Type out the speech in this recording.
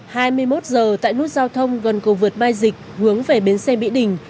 hai mươi một h tại nút giao thông gần cầu vượt mai dịch hướng về bến xe mỹ đình